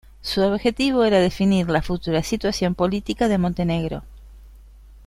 Su objetivo era definir la futura situación política de Montenegro.